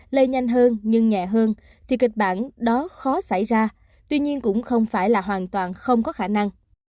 lây nhanh hơn nhưng nhẹ hơn thì kịch bản đó khó xảy ra tuy nhiên cũng không phải là hoàn toàn không có khả năng